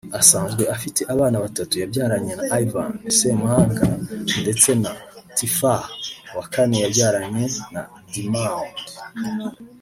Asanzwe afite abana batatu yabyaranye na Ivan Ssemwanga ndetse na Tiffah wa kane yabyaranye na Dimaond